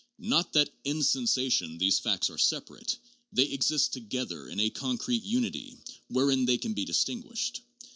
Not that in sensation these facts are separate ; they exist together in a concrete unity, wherein they can be distinguished.